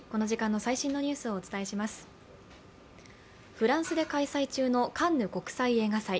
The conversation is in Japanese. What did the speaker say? フランスで開催中のカンヌ国際映画祭。